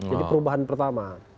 jadi perubahan pertama